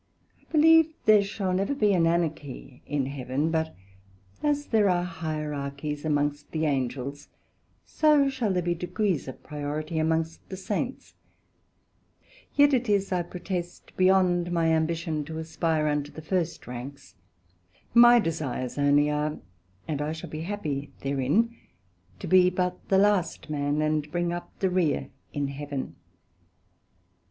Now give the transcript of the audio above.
I believe there shall never be an Anarchy in Heaven, but as there are Hierarchies amongst the Angels, so shall there be degrees of priority amongst the Saints. Yet is it (I protest) beyond my ambition to aspire unto the first ranks; my desires onely are, and I shall be happy therein, to be but the last man, and bring up the Rere in Heaven.